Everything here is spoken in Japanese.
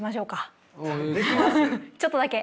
ちょっとだけ。